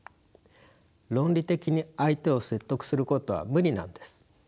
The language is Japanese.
論理的に相手を説得することは無理なんです。